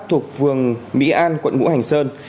thuộc vườn mỹ an quận ngũ hành sơn